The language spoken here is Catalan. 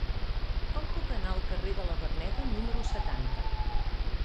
Com puc anar al carrer de la Verneda número setanta?